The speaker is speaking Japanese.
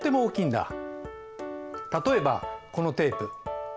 例えばこのテープ。